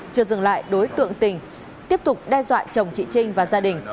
chưa dừng lại đối tượng tình tiếp tục đe dọa chồng chị trinh và gia đình